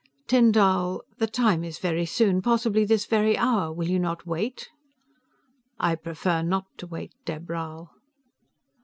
"Tyn Dall, The Time is very soon, possibly this very hour. Will you not wait?" "I prefer not to wait, Dheb Rhal."